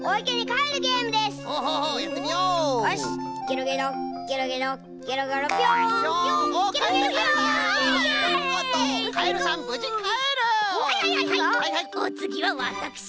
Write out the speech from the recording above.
おつぎはわたくし。